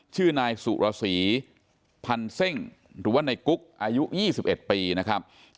ชื่อนายสุรสีพันเซ่งหรือว่าในกุ๊กอายุ๒๑ปีนะครับ